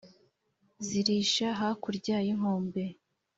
zirisha hakurya y’inkombe